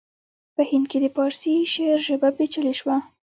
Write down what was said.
په هند کې د پارسي شعر ژبه پیچلې شوه